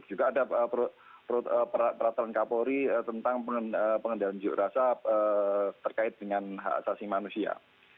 juga ada peraturan kapolri tentang pengendalian juk rasa terkait dengan hak asasi manusia